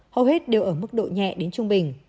hầu hết đều ở mức độ nhẹ đến trung bình